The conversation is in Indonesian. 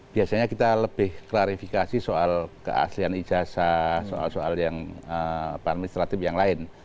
biasanya kita lebih klarifikasi soal keaslian ijazah soal soal yang administratif yang lain